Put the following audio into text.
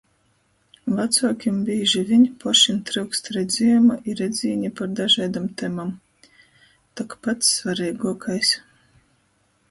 Vacuokim bīži viņ pošim tryukst redziejuma i redzīņa par dažaidom temom. Tok pats svareiguokais.